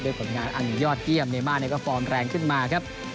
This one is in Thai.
ผลงานอันยอดเยี่ยมเมมาร์ก็ฟอร์มแรงขึ้นมาครับ